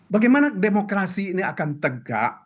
bagaimana demokrasi ini akan tegak